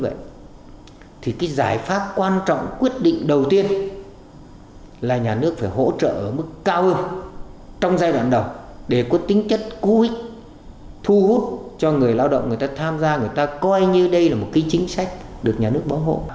ví dụ nhà nước phải hỗ trợ mức cao hơn trong giai đoạn đầu để có tính chất cú ích thu hút cho người lao động người ta tham gia người ta coi như đây là một chính sách được nhà nước bảo hộ